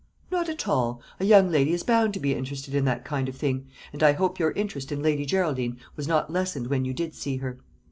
"Not at all; a young lady is bound to be interested in that kind of thing. And I hope your interest in Lady Geraldine was not lessened when you did see her."